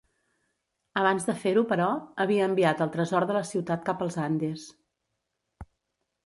Abans de fer-ho però, havia enviat el tresor de la ciutat cap als Andes.